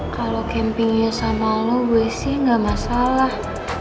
kalau campingnya sama lo gue sih nggak masalah